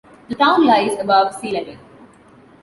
The town lies above sea level.